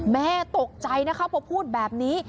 แม่ตกใจนะคะพอพูดแบบนี้